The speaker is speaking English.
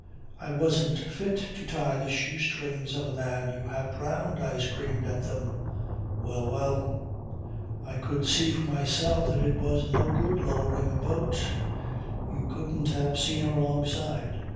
"I wasn't fit to tie the shoe strings of the man you have drowned," I screamed at them ... Well! Well! I could see for myself that it was no good lowering a boat. You couldn't have seen her alongside.